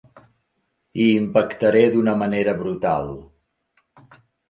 Hi impactaré d'una manera brutal.